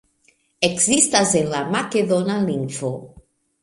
Ekzistas en la makedona lingvo.